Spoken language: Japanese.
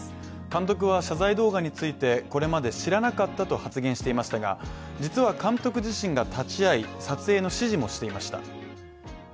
監督は謝罪動画について、これまで知らなかったと発言していましたが、実は監督自身が立会い、撮影の指示もしていました。